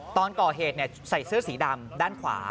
ตอนก่อเหตุใส่เสื้อสีดำด้านขวา